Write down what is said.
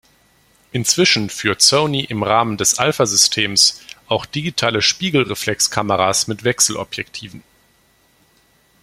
Inzwischen führt Sony im Rahmen des Alpha-Systems auch digitale Spiegelreflexkameras mit Wechselobjektiven.